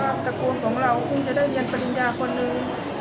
เพราะว่าตะโกนของเราคงจะได้เรียนปริญญาคนหนึ่ง